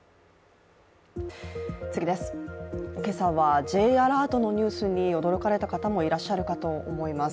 今朝は、Ｊアラートのニュースに驚かれた方もいらっしゃると思います。